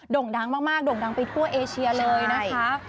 ด่งดังมากไปทั่วเอเชียเลยนะคะ